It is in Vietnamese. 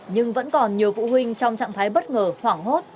nhưng vẫn còn nhiều phụ huynh trong trạng thái bất ngờ hoảng hốt